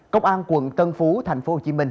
công an quận tân phú tp hcm